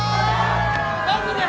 マジで！？